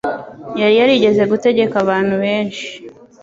yari yarigeze gutegeka abantu benshi